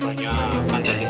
banyak kan tadi tuh